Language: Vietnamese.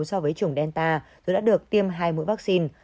so với chủng delta tôi đã được tiêm hai mũi vaccine